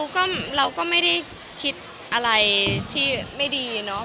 ก็เราก็ไม่ได้คิดอะไรที่ไม่ดีเนาะ